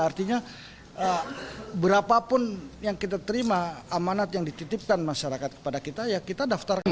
artinya berapapun yang kita terima amanat yang dititipkan masyarakat kepada kita ya kita daftarkan